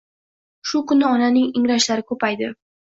Shu kuni onaning ingrashlari ko‘paydi